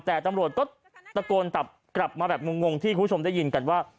แต่ตำรวจก็ตะโกนตับกลับมาแบบงงที่คุณผู้ชมได้ยินกันว่า